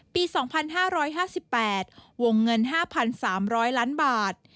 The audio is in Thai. ปี๒๕๕๘วงเงิน๕๓๐๐ล้านบาท